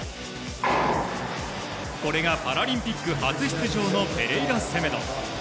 これがパラリンピック初出場のペレイラセメド。